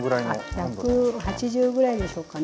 １８０ぐらいでしょうかね。